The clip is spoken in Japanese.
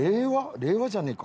令和じゃねえか。